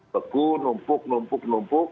beku numpuk numpuk numpuk